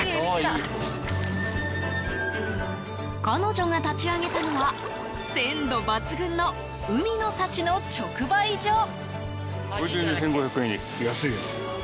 彼女が立ち上げたのは鮮度抜群の海の幸の直売所。